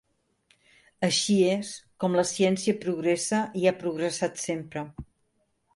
Així és com la ciència progressa i ha progressat sempre.